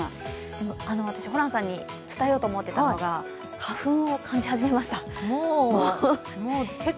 私、ホランさんに伝えようと思っていたのが花粉を感じ始めました。